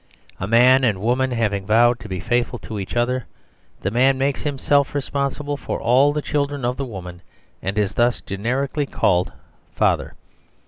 A man and woman having vowed to be faithful to each other, the man makes himself responsible for all the children of the woman, and is thus generically called "Father."